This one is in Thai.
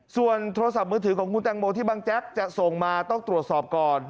ส่วนโทรศัพท์มือถือของคุณแตงโมที่บางแจ๊กจะส่งมาต้องตรวจสอบก่อน